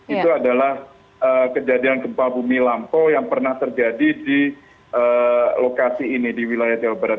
itu adalah kejadian gempa bumi lampau yang pernah terjadi di lokasi ini di wilayah jawa barat